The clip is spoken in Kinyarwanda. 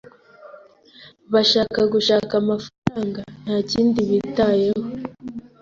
Bashaka gushaka amafaranga. Nta kindi bitayeho.